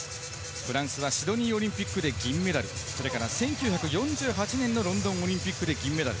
フランスはシドニーオリンピックで銀メダル、１９４８年のロンドン・オリンピックで銀メダル。